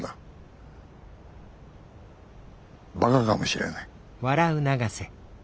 バカかもしれない。